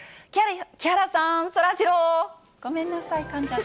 木原さん、そらジロー。